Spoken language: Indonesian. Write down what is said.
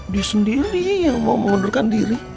dia sendiri yang mau mengundurkan diri